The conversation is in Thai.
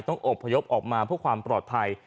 อบพยพออกมาเพื่อความปลอดภัย